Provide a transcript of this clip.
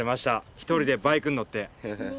一人でバイクに乗って。